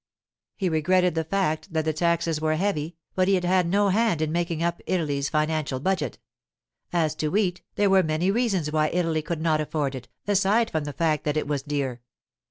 He regretted the fact that the taxes were heavy, but he had had no hand in making up Italy's financial budget. As to wheat, there were many reasons why Italy could not afford it, aside from the fact that it was dear.